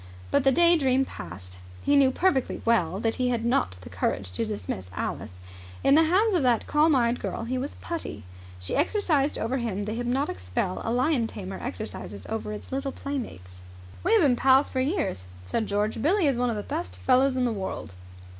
But the day dream passed. He knew perfectly well that he had not the courage to dismiss Alice. In the hands of that calm eyed girl he was as putty. She exercised over him the hypnotic spell a lion tamer exercises over his little playmates. "We have been pals for years," said George. "Billie is one of the best fellows in the world."